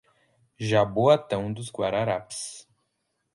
Jaboatão dos Guararapes